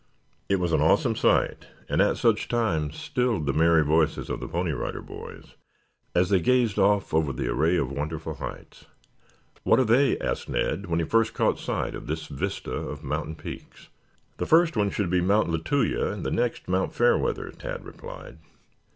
It was an awesome sight and at such times stilled the merry voices of the Pony Rider Boys as they gazed off over the array of wonderful heights. "What are they?" asked Ned when he first caught sight of this vista of mountain peaks. "The first one should be Mt. Lituya and the next Mt. Fairweather," Tad replied.